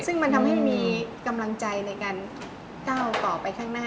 ซึ่งมันทำให้มีกำลังใจในการก้าวต่อไปข้างหน้า